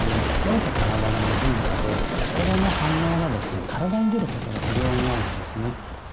心と体が未分化で心の反応がですね体に出ることが非常に多いんですね。